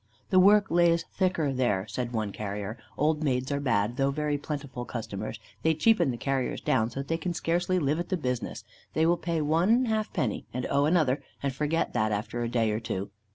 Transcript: "'The work lays thicker there,' said one carrier. 'Old maids are bad, though very plentiful customers: they cheapen the carriers down so that they can scarcely live at the business: they will pay one half penny, and owe another, and forget that after a day or two.